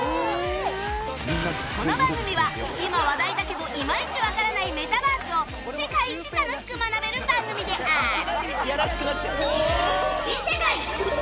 この番組は今話題だけどイマイチわからないメタバースを世界一楽しく学べる番組である